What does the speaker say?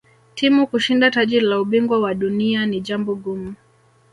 timu kushinda taji la ubingwa wa dunia ni jambo gumu